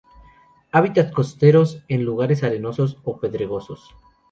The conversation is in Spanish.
Hábitats costeros, en lugares arenosos o pedregosos.